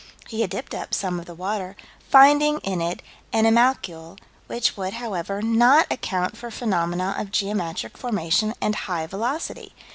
He had dipped up some of the water, finding in it animalcule, which would, however, not account for phenomena of geometric formation and high velocity.